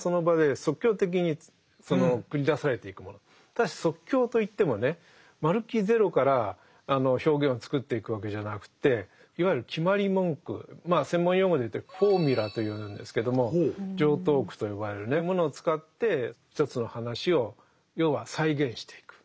ただし即興といってもねまるっきりゼロから表現をつくっていくわけじゃなくっていわゆる決まり文句まあ専門用語で言うとフォーミュラと言うんですけども常套句と呼ばれるものを使って一つの話を要は再現していく。